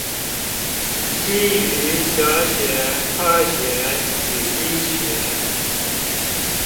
基於哲學、科學與醫學